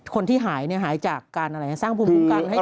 คนที่หายหายจากการอะไรสร้างภูมิคุ้มกันให้